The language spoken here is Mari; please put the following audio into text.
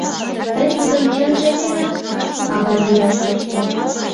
— Тый тудым чынже денак?... — ава йодаш тошто.